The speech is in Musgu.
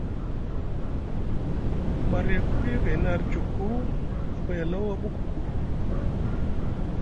Marya ku paya gayni arcukku, kapay Alaw a ɓukuku.